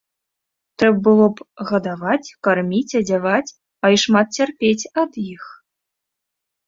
Трэба было б гадаваць, карміць, адзяваць, а і шмат цярпець ад іх.